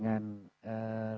kegiatan yang terjadi di dunia